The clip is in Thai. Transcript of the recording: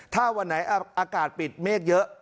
ถ้าวันไหนอากาศปิดเมฆเยอะ